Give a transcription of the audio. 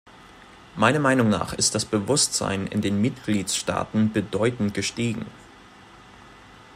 Meiner Meinung nach ist das Bewusstsein in den Mitgliedstaaten bedeutend gestiegen.